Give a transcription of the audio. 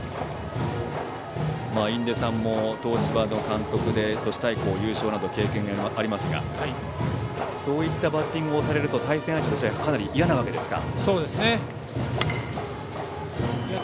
印出さんも東芝の監督で都市対抗優勝などの経験がありますがそういうバッティングをされると対戦相手としてはかなり嫌なわけですか？